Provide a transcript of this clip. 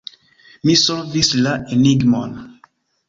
Mi solvis la enigmon.